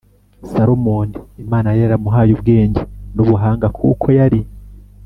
Salomoni Imana yari yaramuhaye ubwenge n ubuhanga kuko yari